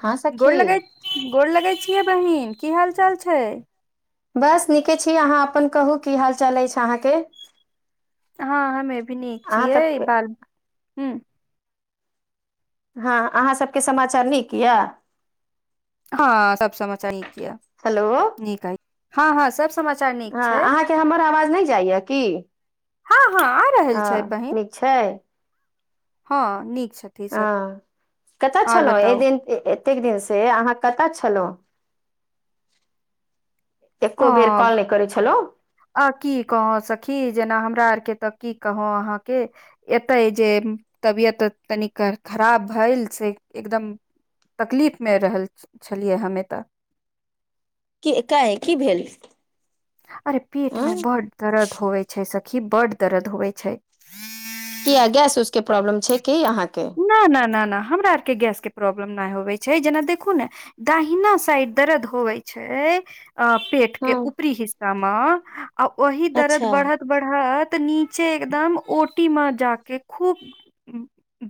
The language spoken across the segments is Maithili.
हँ गोर सखी लगै गोर लगै छियै बहिन की हाल चाल छै बस नीके छी अहाँ अपन कहू की हाल चाल अछि अहाँके हँ हमे भी नीक अहाँ छियै सबके बाल--हूं हँ अहाँ सबके समाचार नीक यए हँ सब समाचार नीक य हेलो नीक हइ हँ हँ सब समाचार नीक हँ छै अहाँके हमर आवाज नहि जाइय की हँ हँ आ रहल छै हँ बहिन नीक छै हँ निक छथिन ह कतय छलहुँ एहि दिन एतेक दिन से अहाँ कतय छलहुँ एको बेर अ कॉल नहि करै छलौ आ की कहो सखी जेना हमरा आर के तऽ की कहो अहाँके एतै जे तबियत तनिक खराब भ‌इल से एकदम तकलीफ मे रहल छलियै हमे तऽ कि एकाएक की भेल अरे पेट आँ में बड दर्द होवे छै सखी बड दर्द होवे छै किया गैस उसके के प्रॉब्लम छै की अहाँके ना ना ना हमरा आरके गैस के प्रॉब्लम नहि होबे छै जेना देखू ने दहिना साइड दरद होबै छै अ पेट के हँ ऊपरी हिस्सा म आ ओहि दरद अच्छा बढ़त बढ़त नीचे एकदम ओटी म जाके खूब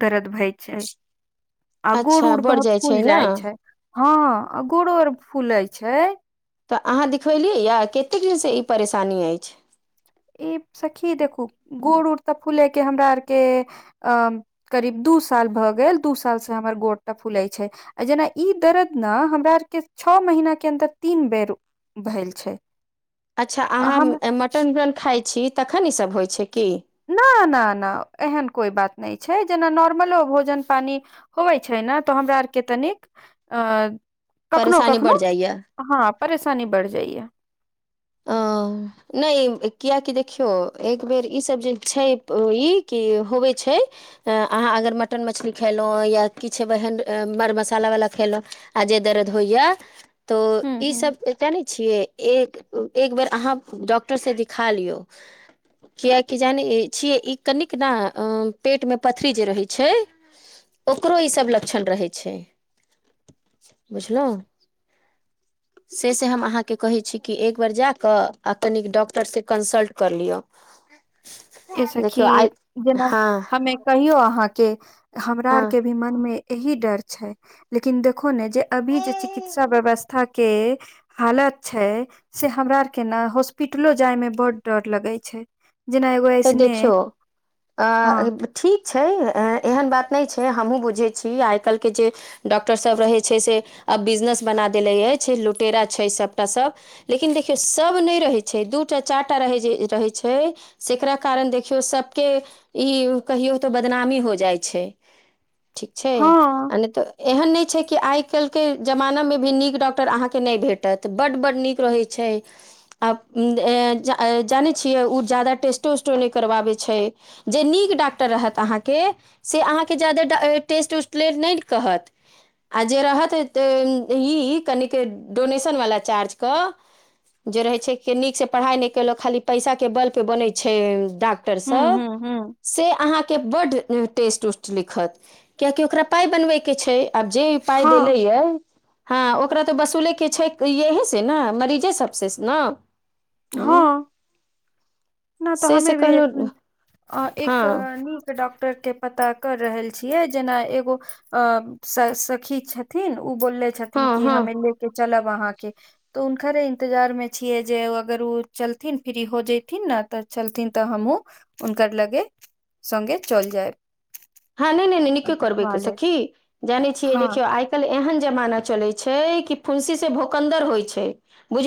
दरद भय छै आ गोड़ अच्छा उड़ बढ़ बहुत फूल छै ने जाइ छै हँ आ गोड़ो आर फूलै छै तऽ अहाँ देखबेलियै यए कतेक दिनसँ ई परेशानी अछि ई सखी देखू गोड़ उड़ तऽ फूले के हमरा आरके अ करीब दू साल भए गेल दू साल से हमर गोर त फूलै छै आ जेना ई दर्द न हमरा आरके छओ महिना के अन्दर तीन बेर भइल छै अच्छा अहाँ हम मटन उटन खाइ छी तखन ईसभ होइ छै की ना ना ना एहन कोइ बात नहि छै जेना नॉर्मलो भोजन पानी होबै छै ने तऽ हमरा आरके तनिक अ कखनो परेशानी कखनो बढ़ जाइए हं परेशानी बढ़ि जाइया ओ नहि कियकि देखियौ एक बेर ईसभ जे छै ई कि होबै छै अहाँ अगर मटन मछली खयलहुँ या किछु ओहन मड़ मसालावला खेलौ आ जे दर्द होइया तो हूँ हूँ ईसभ जानै छियै एक एक बेर अहाँ डॉक्टर से दिखा लियौ कियाकि जानै छियै ई कनिक न पेटमे पथरी जे रहैत छै ओकरो ईसभ लक्षण रहै छै-बुझलौं से से हम अहाँके कहै छी कि एक बेर जा कऽ आ कनिक डॉक्टरसँ कन्सल्ट कर लियअ ए सखी जेना हँ हमे कहियौ अहाँके हमरा आर हँ के भी मन मे अही डर छै लेकिन देखो न जे अभी जे चिकित्सा व्यवस्था के हालत छै से हमरा आरके न हॉस्पिटलो जायमे बड डर लगै छै जेना एगो त ऐसने देखिओ अ हँ ठीक छै एहन बात नहि छै हमहुँ बुझै छी आइ काल्हिके जे डॉक्टरसभ रहै छै से आब बिजनेस बना देने अछि लुटेरा छै सभ लुटेरा छै सभ लेकिन देखियौ सभ नहि रहै छै दू टा चारि टा रहै छै रहै छै जकरा कारण देखियौ सभके ई कहियौ तऽ बदनामी हो जाइ छै ठीक छै हँ आ नै तऽ एहन नहि छै कि आइ काल्हिके जमानामे भी नीक डॉक्टर अहाँके नहि भेटत बड्ड बड्ड नीक रहै छै छै अब उम्म ए जा ए जानै‌ छियै उ जादा टेस्टो उस्टो नहि करबाबै छै जे नीक डाक्टर रहत अहाँके से अहाँके ज्यादे ट टेस्ट उस्ट लेल नहि कहत आ जे रहत तऽ ई कनिक डोनेशनवला चार्जके जे रहे छै के नीक से पढ़ाई न केलक खाली पैसा के बल पे बने छैएम डाक्टर हूँ सब हूँ हूँ से अहाँके बड्ड टेस्ट उस्ट लिखत कियाकि ओकरा पाइ बनबैके छै आब जे पाय हँ देेलैय ह ओकरा तऽ वसूलेके छै यहिं सऽ ने मरीजे सब सऽ न ह न तऽ से से हमे भी एक कहलहु उम्म आँ एक हँ निक डॉक्टर के पता कर रहैल छियै जेना एगो आँ सऽ सखी छथिन उ बोललेै छथिन हँ कऽ हँ हम्मे लेके चलब अहाँ के तऽ उनखरे इंतजार मे छियै जे अगर उ चलथिन फ्री होय जैथिन ने तऽ चलथिन तऽ हमहु हुनकर लगे संगे चलि जाएब ह नहि नहि नहि नीके करबै क लेब सखी जानै छियै हँ देखियौ आय कऽ एल एहन जमाना चलै छै कि फुंसी सऽ भोखन्दर होय छै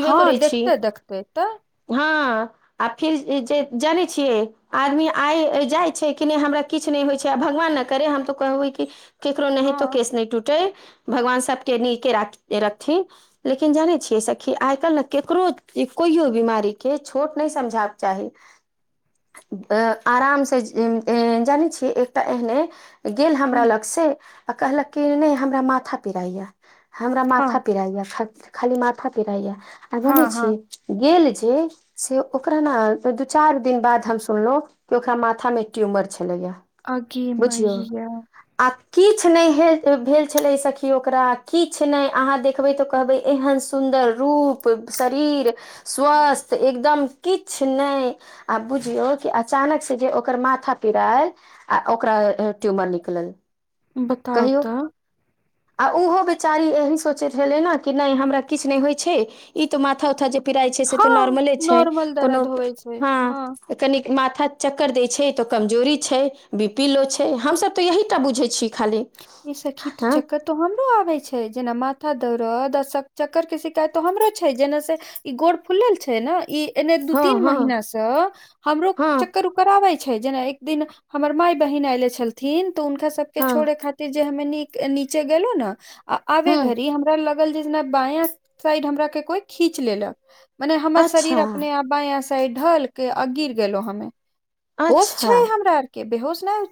ह देखतै देखतै तऽ ह आ फिर जे जानै छियै आदमी आए जाय छै कि नहि हमरा किछ नहि होय छै किया भगवान नऽ करे हम तो कहबै कि केकरो नैहेतो हँ केश नय टूटेै भगवान सबके नीके रा रखथिन लेकिन जानै छियै सखी आइ क काइल नऽ केकरो कोइयो बीमारी केँ छोट नइ समझाक चाही [inaudible] अँ आराम सँ उम्म ए जानै छियै एक तऽ एहने गेल ह हमरा लग से आ कहलक की नय हमरा माथा पिराय यऽ हमरा माथा हँ पिराय यऽ ख - खाली माथा पिराय यऽ आ हँ जानै छी हँ गेल छै से ओकरा नऽ दू चार दिन बाद हम सुनलौ की ओकरा माथा मे ट्यूमर छलै यऽ अगे मैया आ किछ नय हे भेल छलै सखी ओकरा किछ नइ अहाँ देखबै तऽ कहबै एहन सुन्दर रूप शरीर स्वस्थ एकदम किछ नइ आ बुझियौ की अ चानक से जे ओकर माथा पिराइ आ ओकरा अ ट्यूमर निकलल बताउ कहियौ तऽ आ उहो बेचारी एही सोचै छलै नऽ की नय हमरा किछ नइ होइ छै ई तऽ माथा उथा जे पिराइ छै से हँ तऽ नोर्मले छै नॉर्मल कोनो दर्द होवे छै हँ कनिक माथा चक्कर दै छै तऽ कमजोरी छै बि पी लो छै हमसब तऽ यही टा बुझै छी खाली ई सखी त हँ चकत तो हमरो आबे छै जेना माथा दौरद सक चक्कर केँ शिकायत तो हमरो छै जेने से ई गोड़ फुलल छै नऽ इ एने दू हँ तीन महीना हँ सँ हमरो हँ चक्कर उ कर आबै छै जेना एक दिन हमर माय बहिन ऐले छलथिन तऽ हुनका सब केँ छोड़े हँ खाति र जे हमे नी - नीचे गेलु नऽ आ आबे हँ घड़ी हमरा लग ल जे जेना बाँया साइड हमरा केँ कोई खीच लेलक मने हमर अच्छा शरीर अपने आप बाँया साइड ढल केँ अ गिर गेलो हमे होश अच्छा छै हमरा आर केँ बेहोश नय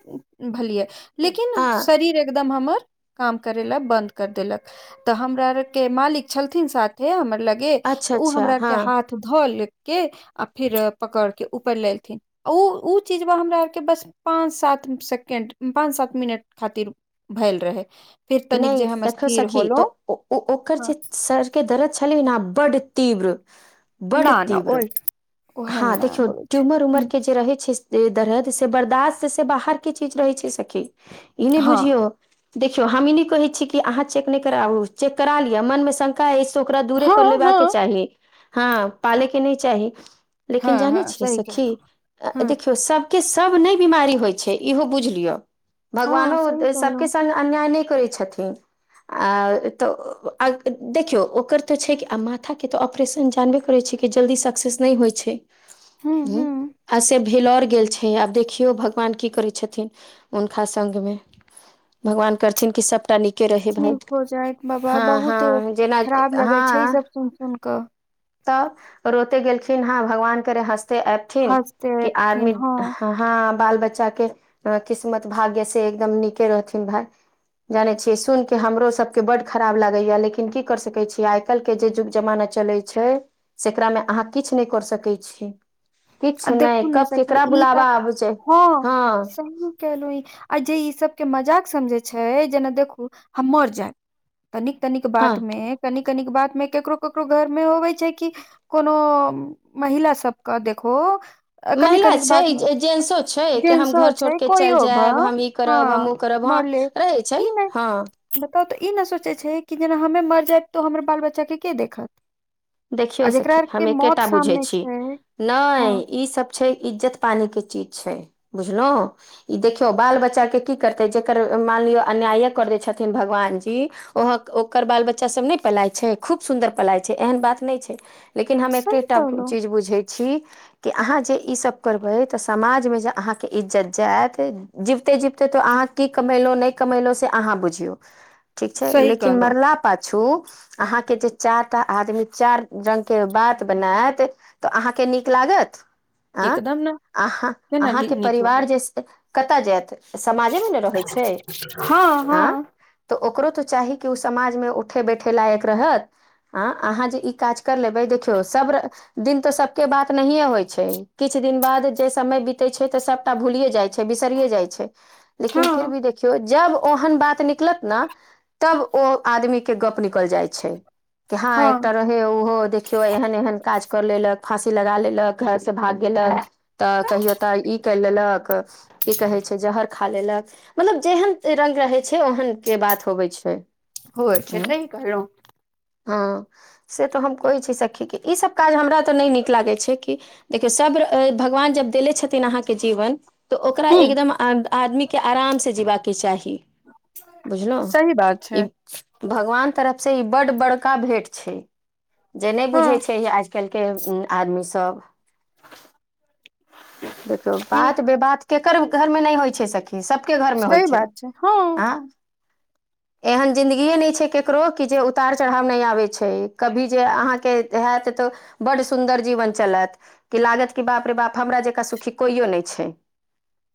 भलियै लेकिन हँ शरीर एकदम हमर काम करेै लऽ बंद कैर देलक तऽ हमरा आर केँ मालिक छलथिन साथे हमर लगे अच्छा तऽ उ अच्छा हमरा आर हँ केँ हाथ धोल केँ आ फिर पकड़ केँ ऊपर लेलथिन उ उ चीजबा हमरा आर केँ बस पाँच सात सेकेण्ड पाँच सात मिनट खातिर भैल रहै नय देखो सखी तऽ ओ उ उ ओकर हँ जे सर केँ दरद छलै नऽ बड्ड तीव्र बड्ड ना ना तीव्र ओइ हँ देखियो ट्यूमर उमर केँ जे रहै छै जे दरद से बर्दास्त से बाहर केँ चीज रहै छै सखी इ नय हँ बुझियो देखियौ हम इ नय कहै छी की अहाँ चेक नय कराबू चेक करा लिअ मन मे शं का अय से ओकरा दूरे हँ कऽ लेबाकेँ हँ चाही हँ पाले कऽ नय चाही हँ लेकिन जानै हँ हँ छियै सही सखी कहलहुँ हँ देखियौ सब सब बीमारी नै होइ छै इहे बुझलियो हँ भगवानो सही सब कहलहुँ केँ संगे अन्याय नय करै छथिन आ तऽ आ देखियौ ओकर तऽ छै की आ माथा केँ तो ऑपरेशन जानबे करै छी की की जल्दी सक्सेस नइ होइ छै [unintelligible] हूँ हूँ आ से भेलोर गेल छै आब देखियौ भगवान कि करै छथिन हुनका संग मे भगवान करथिन कि सभटा नीक के रहेदैत ठीक बहुत हो जायत बाबा बहुत हाँ जेना खराब लगे छै ई हाँ सब सुन सुन कऽ तऽ अरोते गेलखिन हैं भगवान के हँसते ऐबथिन हँसते कि एथिन आदमी हँ हा बाल बच्चा के किस्मत भाग्य से एकदम नीके रहथिन भाय जाने छिये सुन के हमरो सभ के बाद खराब लागे या लेकिन कि को सके छी आई कल्हि के जे युग जमाना चले छै छै सेकरा मे अहाँ किछु नहि करे सकै छी आ किछु नहि देखू ने कब सखी केकरा ई बुलावा आबै छै हा कलहु ई आ जे ई सभ के मजाक समझे छै जेना देखू हम मर जायब तनिक तनिक हँ बात मे कनि कनिक बात मे केकरो ककरो घर मे होवे छै कि कोनो महिला सभ कऽ देखु महिला छै जे जेसो छै कि हम जेंसो घर छै छोड़ि कऽ चलि कोइयो भ जायब हम ई हँ करब हम ओ करब हा मरले रहै छै ई नहि हा बताउ तऽ ई नहि सोचै छै कि जेना हमे मर जायब तऽ हमर बाल बच्चा के के देखत आ देखियौ जेकरा आर के मौत सामने छै हँ नाइ ई सभ छै इज्जत पानी के चीज छै बुझलहु ई देखियौ बाल बच्चाके कि करतै जकर मानि लियौ अन्याये कर दैत छथिन भगवानजी ओह ओकर बाल बच्चा सभ ने पलाय छै खूब सुन्दर पलाय छै एहन बात नै छै लेकिन हम सही एकटा कहलौं चीज बुझै छी। कि अहाँ जे इसब करबै तऽ समाज मे जे अहाँकेँ इज्जत जायत जिबते जिबते तऽ अहाँ कि कमेलहुँ नहि कमेलहुँ से अहाँ बुझियौ [unintelligible] ठीक छै लेकिन कहलौं मरला पाछू अहाँ के जे चारटा आदमी चार रंग के बात बनायत तऽ अहाँकेँ नीक लागत आ एकदम ने अहाँ केना अहाँकेँ नीक परिवार लागत जेसे कतऽ जायत समाजे मे ने रहै छै हँ आँ हँ ओकरो तऽ चाही कि ओ समाजमे उठे बैठे लायक रहत आ अहाँ जे ई काज कर ले बेइ देखियौ सभ दिन तऽ सभके बात नहि होई छै किछु दिन बाद जे समय बीते छै तऽ सभ भूलियए जाई छै बिसरिए जाई छै लेकिन फिर हँ भी देख देखियो जब ओहन बात निकलत ने तब ओ आदमी के गप निकल जाई छै छैय कि हा एक हँ ओहो देखियो एहन एहन काज कर लेलक फांसी लगा लेलक घर से भाग गेलक तऽ कहियो तऽ ई करि लेलऽ कऽ कि कहै छै जहर खा लेलऽ कऽ मतलब जेहन रंग रहै छै ओहनके बात होबै छै हो छै तऽ सही कहलो ह से तऽ हम कहै छी सखीके ईसभ काज हमरा तऽ नहि नीक लागैत छै कि। देखियौ सभ भगवान जब देले छथिन। अहाँकेँ जीवन तऽ ओकरा हूँ एकदम आदमी के आरामसँ जीबा के चाही बुझलहु सही बात ई छै भगवान तरफ से ई बड़ बड़का भेट जे नहि हँ बुझै छै आज आदमी सभ देखियौ नीक बात वि बात केकर घरमे नहि होइ छै सखी सबके घरमे होइ सही छै। बात हँ आँं एहन जिंदगीए ने छै। केकरो कि जे उतार चढ़ाव नहि आबे छै। कभी जे अहाँके हयत तऽ बड् सुन्दर जीवन चलत कि लागत कि बाप रे बाप हमरा जकाँ सुखी कोइओ नहि छै।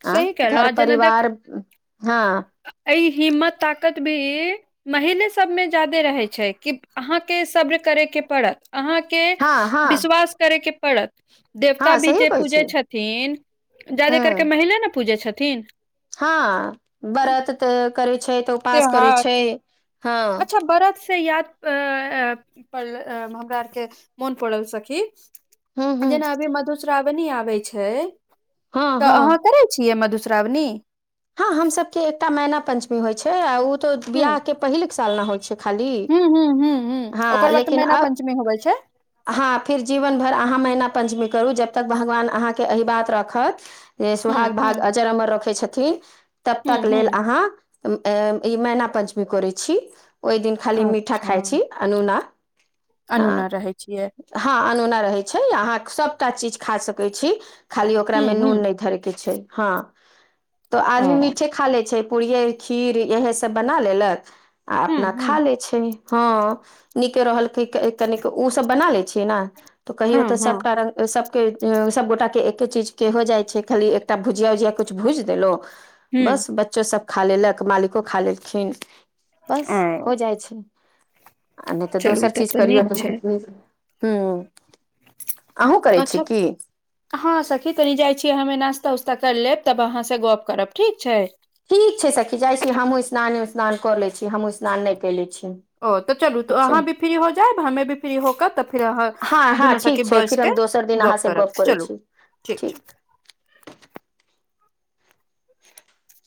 आँ सही कहलौं घर परिवार हँ अइ हिम्मत ताकत भी महिले सभमे ज्यादे रहै छै। कि अहाँके शब्र करयके पड़त। अहाँके हँ हँ विश्वास करे के पड़त। देवता हँ भी सही जे कहै छी पूजै छथिन। ज्यदे करके हूँ महिला ने पूजै छथिन। हँ व्रत तऽ करै छै। तऽ उपास करै त्योहार छै। हँ [unintelligible] से याद पड़ल हमरा आरके मोन पड़ल सखी हूँ हूँ जेना अभी मधुश्रावणी आबै छै। हँ तऽ हँ अहाँ करे छियै। मघुस्रावनी हँ हमसके एकटा मैना पं्चमी होइ छै। आ उऽ तो ह बिियाह के पहिल साल ने होइ छै। खाली ह ह ह हँ ह ओकर बाद तऽ लेकिन मैना आ पंचमी होबै छै हँ फेर जीवन भर अहाँ मैहिना पञ्चमी करू जब तक भगवान अहाँके एहि बात रखत। जे ह सुहाग ह भाग अजर अमर रखै छथिन। तब ह तक ह लेल अहाँ ई मैना पञ्चमी करैत छी। ओहि दिन खाली मीठा खाइ छी। अनोना अनोना हँ रहै छियै। हँ अनोना रहैत छै। अहाँ सभटा चीज खा सकैत छी। खाली ओकरा हूँ मऽ हूँ नून नहि धरय के छै। हँ तऽ ओ आदमी मीठे खा लै छै। पूड़ियए खीर इएह सभ बना लेलक आ हूँ अपना खा हूँ ले छै। हँ नीके रहलकै [unintelligible] सब बना लै छिय। नऽ तऽ कहि हँ तऽ हँ सबटा सबके सब गगोटााक के एके चीज के हो जाइ छै। खाली एकटा भुजिया उजिया कुछ भुजि देलो बस हूँ बच्चो सभ खा लेलक मालिको खा लेलखिन बस हो ओ जाइ छै। नहि तऽ चलू ई दोसर तब चीज तऽ करियौ नीक छै [unintelligible] हू आहू करै छी। अच्छा की हँ सखी तनी जाइ छियै। हमे नास्ता उास्ता करि लेब तब अहाँसँ गप करब ठीक छै। ठीक छै। सखी जाइ छी। हमहूँ स्नाने उस्नान कऽ लै छी। हमहूँ स्नान नहि कइले छी। ओ तऽ चलू ठीक तऽ छै अहाँ भी फ्री हो जायब। हमे भी फ्री होकर तऽ फेर अहाँ हँ हँ दुनू सखी ठीक छै बैठ फिर हम के दोसर दिन गप अहाँसँ करब करै चलू छी ठीक छै। [inaudible]